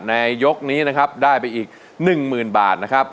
ยกนี้นะครับได้ไปอีก๑๐๐๐บาทนะครับ